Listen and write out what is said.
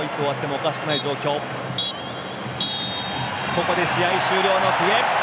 ここで試合終了の笛。